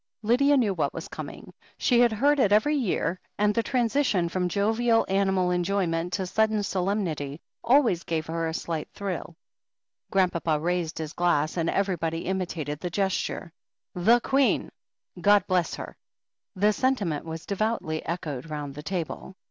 Lydia knew what was coming. She had heard it THE HEEL OF ACHILLES 197 every year, and the transition from jovial animal enjoy ment to sudden solemnity always gave her a slight thrill. Grandpapa raised his glass, and everybody imitated the gesture. "The Queen! God bless her." The sentiment was devoutly echoed round the table.